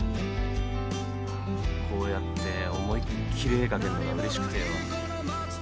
こうやって思いっ切り絵描けんのがうれしくてよ。